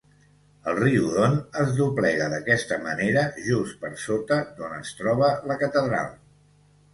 El riu Don es doblega d'aquesta manera just per sota d'on es troba la catedral.